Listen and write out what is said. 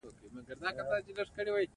دا د سیاسي او اقتصادي جوړښتونو محصول دی.